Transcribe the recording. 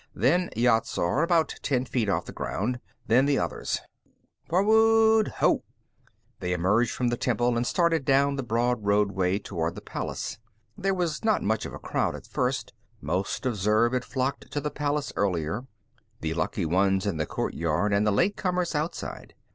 Then Yat Zar, about ten feet off the ground, and then the others. Forward ho o!" They emerged from the temple and started down the broad roadway toward the palace. There was not much of a crowd, at first. Most of Zurb had flocked to the palace earlier; the lucky ones in the courtyard and the late comers outside.